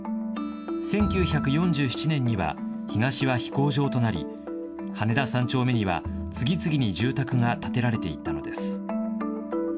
１９４７年には東は飛行場となり羽田３丁目には次々に住宅が建てられていったのです。